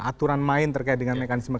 aturan main terkait dengan mekanisme